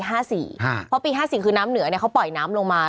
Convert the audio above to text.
เพราะปี๕๔คือน้ำเหนือเขาปล่อยน้ำลงมา